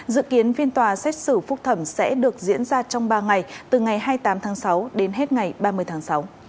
dự kiến phiên tòa xét xử phúc thẩm sẽ được diễn ra trong ba ngày từ ngày hai mươi tám tháng sáu đến hết ngày ba mươi tháng sáu